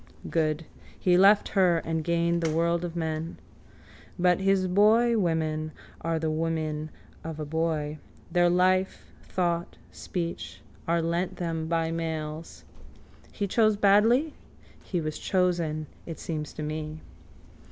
Good: he left her and gained the world of men. But his boywomen are the women of a boy. Their life, thought, speech are lent them by males. He chose badly? He was chosen, it seems to me.